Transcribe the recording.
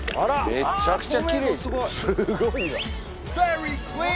めっちゃくちゃきれいオウ！